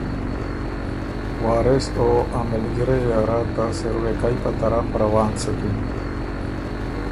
وارث او ا ملګرئ یه ره ته سُروېکئ په طرف روان سُکِن۔